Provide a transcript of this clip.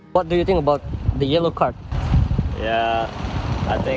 apa pendapat anda tentang kartu kuning